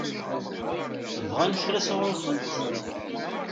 Bɣan kra sɣur-kent?